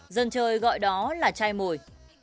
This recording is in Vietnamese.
dân chơi gọi đó là chai mồi